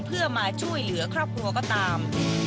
เพื่อมาช่วยเหลือครอบครัวก็ตาม